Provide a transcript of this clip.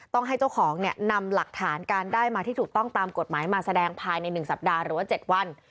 ต้องให้เจ้าของเนี่ยนำหลักฐานการได้มาที่ถูกต้องตามกฎหมายมาแสดงภายใน๑สัปดาห์หรือว่า๗วัน